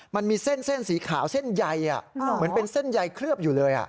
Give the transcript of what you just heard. มันมีเส้นสีขาวเส้นใยเหมือนเป็นเส้นใยเคลือบอยู่เลย